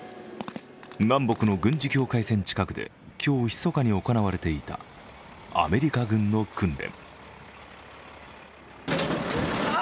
南北の軍事境界線近くで今日、ひそかに行われていたアメリカ軍の訓練。